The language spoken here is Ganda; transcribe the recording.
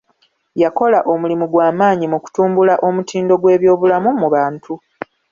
Yakola omulimu gwa maanyi mu kutumbula omutindo gw'ebyobulamu mu bantu.